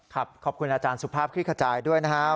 ครับขอบคุณอาจารย์สุภาพคิดเข้าใจด้วยนะฮะ